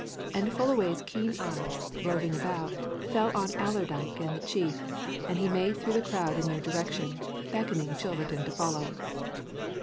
And Fullaway's keen eyes, roving about, fell on Allerdyke and the chief and he made through the crowd in their direction, beckoning Chilverton to follow.